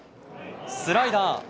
スライダー。